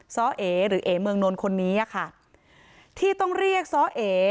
้อเอหรือเอ๋เมืองนนท์คนนี้อะค่ะที่ต้องเรียกซ้อเอ